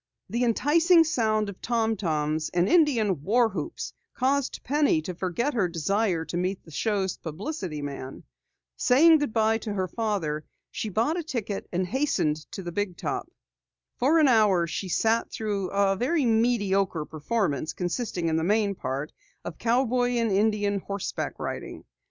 The enticing sound of tom toms and Indian war whoops caused Penny to forget her desire to meet the show's publicity man. Saying goodbye to her father, she bought a ticket and hastened into the big top. For an hour she sat through a very mediocre performance, consisting in the main part of cowboy and Indian horseback riding.